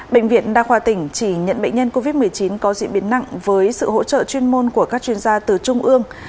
bệnh viện đa khoa tỉnh chỉ nhận bệnh nhân covid một mươi chín có diễn biến nặng với sự hỗ trợ chuyên môn của các chuyên gia từ trung ương